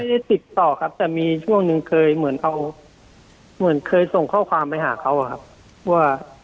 ไม่ได้ติดต่อครับแต่เมื่อช่วงนึงเคยส่งข้อความไปหาเขาว่า